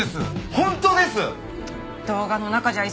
本当です！